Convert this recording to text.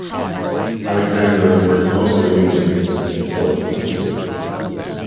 Alexander worked mostly in museums and historical centers.